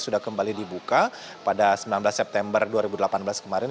sudah kembali dibuka pada sembilan belas september dua ribu delapan belas kemarin